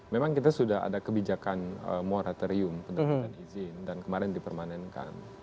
memang kita sudah ada kebijakan moratorium penerbitan izin dan kemarin dipermanenkan